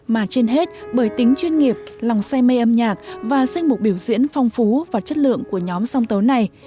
mà trên hết bởi tính chuyên nghiệp lòng say mê âm nhạc và danh mục biểu diễn phong phú và chất lượng của nhóm song tấu này